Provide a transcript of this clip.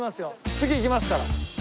次いきますから。